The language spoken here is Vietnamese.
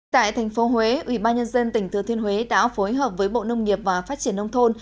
tại thành phố huế ủy ban nhân dân tỉnh thừa thiên huế đã phối hợp với bộ nông nghiệp và phát triển nông thôn